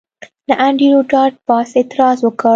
نه انډریو ډاټ باس اعتراض وکړ